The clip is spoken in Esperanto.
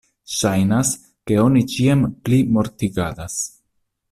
Ŝajnas, ke oni ĉiam pli mortigadas.